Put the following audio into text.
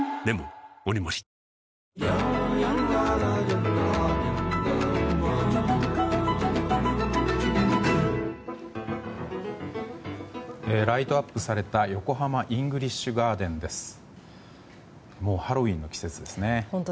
もうハロウィーンの季節ですね。